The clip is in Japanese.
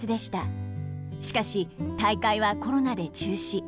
しかし大会はコロナで中止。